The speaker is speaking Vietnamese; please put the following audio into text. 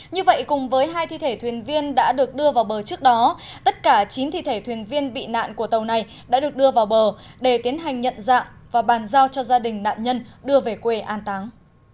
như vậy cùng với hai thi thể thuyền viên đã được đưa vào bờ trước đó tất cả chín thi thể thuyền viên bị nạn của tàu này đã được đưa vào bờ để tiến hành nhận dạng và bàn giao cho gia đình nạn nhân đưa về quê an táng